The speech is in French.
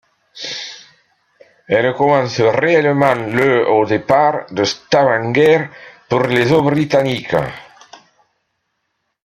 Elle commence réellement le au départ de Stavanger pour les eaux britanniques.